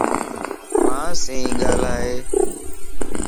مان سي گالائي